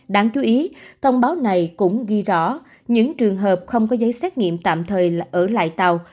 đáng chú ý thông báo này cũng ghi rõ những trường hợp không có giấy xét nghiệm tạm thời là ở lại tàu